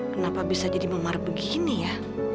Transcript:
kenapa bisa jadi memar begini ya